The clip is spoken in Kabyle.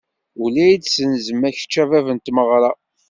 Ula i d-senzem, kečč a bab n tmeɣra.